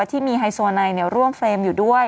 ที่มีไฮโซไนร่วมเฟรมอยู่ด้วย